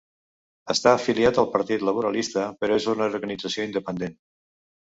Està afiliat al partit laborista però és una organització independent.